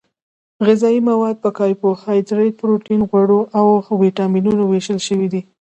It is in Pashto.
غذايي مواد په کاربوهایدریت پروټین غوړ او ویټامینونو ویشل شوي دي